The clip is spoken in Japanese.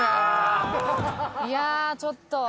いやちょっと。